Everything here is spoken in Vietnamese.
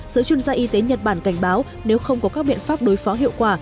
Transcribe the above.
sở chuyên gia y tế nhật bản cảnh báo nếu không có các biện pháp đối phó hiệu quả